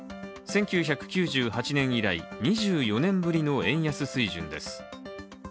１９９８年以来、２４年ぶりの円安水準です。